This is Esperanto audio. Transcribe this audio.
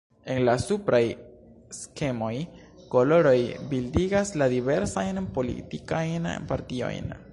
En la supraj skemoj, koloroj bildigas la diversajn politikajn partiojn.